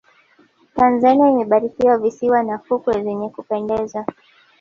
tanzania imebarikiwa visiwa na fukwe zenye kupendeza